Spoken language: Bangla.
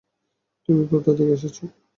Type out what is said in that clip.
তুমি কোথা থেকে এসেছ?